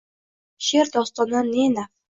She’r, dostondan ne naf